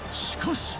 しかし。